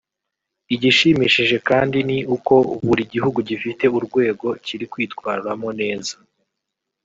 Igishimishije kandi ni uko buri gihugu gifite urwego kiri kwitwaramo neza